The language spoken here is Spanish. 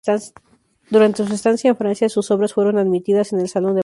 Durante su estancia en Francia, sus obras fueron admitidas en el "Salón de París".